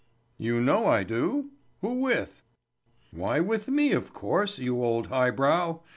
"You know I do. Who with?" "Why with me, of course, you old highbrow.